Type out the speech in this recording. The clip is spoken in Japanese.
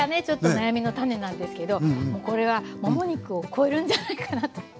ちょっと悩みの種なんですけどこれはもも肉を超えるんじゃないかなと。